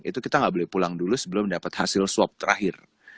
itu kita nggak boleh pulang dulu sebelum dapat hasil swab terakhir